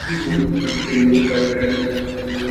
তিনি কেবলমাত্র আসামের রাজধানী দখল করেছিলেন।